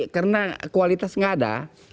karena kualitas enggak ada